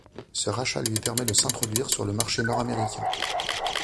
Ce rachat lui permet de s'introduire sur le marché nord américain.